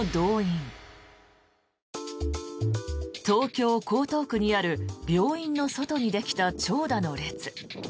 東京・江東区にある病院の外にできた長蛇の列。